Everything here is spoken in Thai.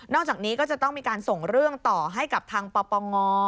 จากนี้ก็จะต้องมีการส่งเรื่องต่อให้กับทางปปง